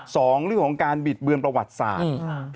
สองเรื่องของการบิดเบือนประวัติศาสตร์